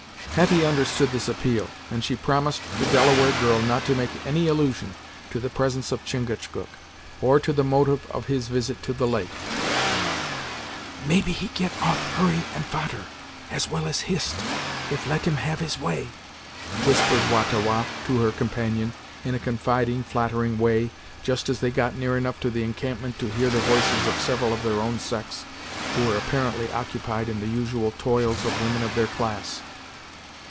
Hetty understood this appeal, and she promised the Delaware girl not to make any allusion to the presence of Chingachgook, or to the motive of his visit to the lake. "Maybe he get off Hurry and fader, as well as Hist, if let him have his way," whispered Wah ta Wah to her companion, in a confiding flattering way, just as they got near enough to the encampment to hear the voices of several of their own sex, who were apparently occupied in the usual toils of women of their class.